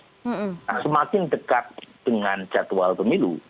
semakin dekat dengan jadwal semakin dekat dengan hal hal yang ada di dalam hal hal tersebut